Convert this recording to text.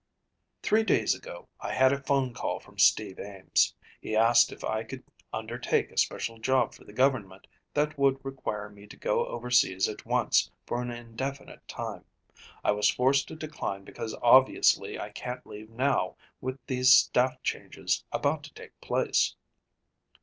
"Three days ago I had a phone call from Steve Ames. He asked if I could undertake a special job for the government that would require me to go overseas at once for an indefinite time. I was forced to decline because obviously I can't leave now with these staff changes about to take place."